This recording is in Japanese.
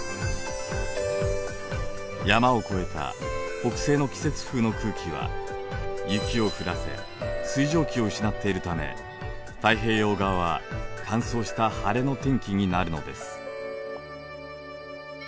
山を越えた北西の季節風の空気は雪を降らせ水蒸気を失っているため太平洋側は乾燥した晴れの天気になるのです。